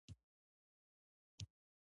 وزې د بلبلي غوندې غږ کوي